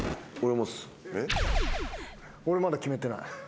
俺まだ決めてない。